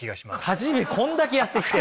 初めこんだけやってきて？